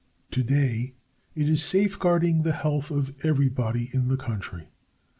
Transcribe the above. Today it is safeguarding the health of everybody in the country.